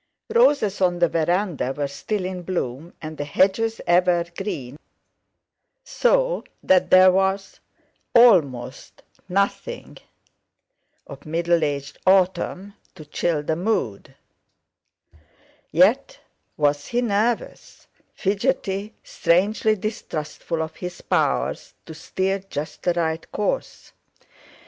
Roses on the veranda were still in bloom, and the hedges ever green, so that there was almost nothing of middle aged autumn to chill the mood; yet was he nervous, fidgety, strangely distrustful of his powers to steer just the right course.